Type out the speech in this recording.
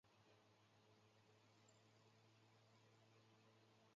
阿尔来旁圣日耳曼人口变化图示